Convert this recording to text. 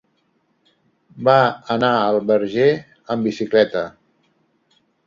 Va anar al Verger amb bicicleta.